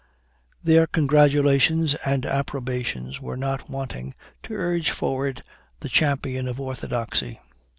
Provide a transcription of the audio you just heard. Their congratulations and approbation were not wanting, to urge forward the champion of orthodoxy.